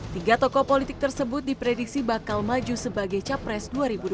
tiga tokoh politik tersebut diprediksi bakal maju sebagai capres dua ribu dua puluh